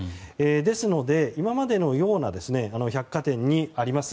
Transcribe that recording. ですので、今までのような百貨店にあります